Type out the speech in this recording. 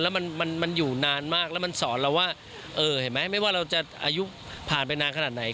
แล้วมันอยู่นานมากแล้วมันสอนเราว่าเห็นไหมไม่ว่าเราจะอายุผ่านไปนานขนาดไหน